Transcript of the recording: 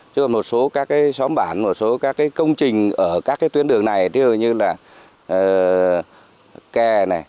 chứ một số các xóm bản một số các công trình ở các tuyến đường này như kè